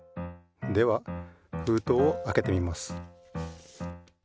ではふうとうをあけてみます。